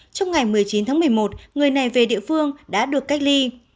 trong ngày một mươi chín tháng một mươi một người này về địa phương đã được cách ly